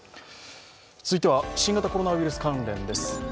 続いては新型コロナウイルス関連です。